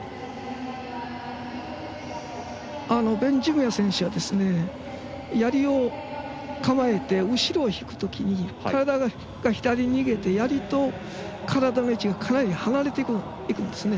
ベンジュムア選手はやりを構えて後ろに引くときに体が左に逃げてやりと体の位置がかなり離れていくんですね。